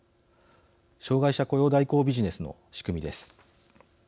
障害者雇用代行ビジネスの仕組みです。